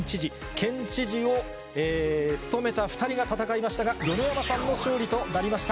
県知事を務めた２人が戦いましたが、米山さんの勝利となりました。